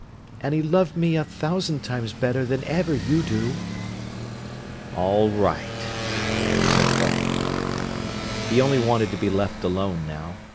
And he loved me a thousand times better than ever you do." "All right," said Paul. He only wanted to be left alone now.